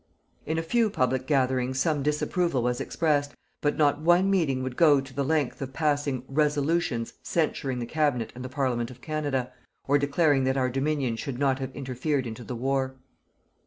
In a few public gatherings some disapproval was expressed, but not one meeting would go to the length of passing "Resolutions" censuring the Cabinet and the Parliament of Canada, or declaring that our Dominion should not have interfered into the war.